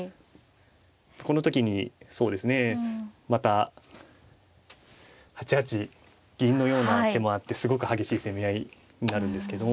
この時にそうですねまた８八銀のような手もあってすごく激しい攻め合いになるんですけど。